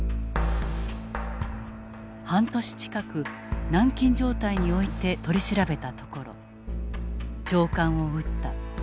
半年近く軟禁状態に置いて取り調べたところ「長官を撃った。